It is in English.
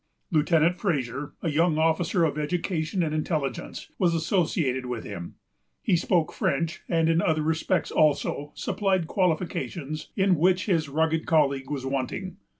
Lieutenant Fraser, a young officer of education and intelligence, was associated with him. He spoke French, and, in other respects also, supplied qualifications in which his rugged colleague was wanting.